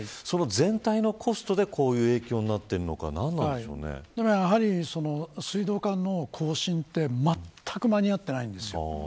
全体のコストでこういうふうになっているのか水道管の更新ってまったく間に合っていないんです。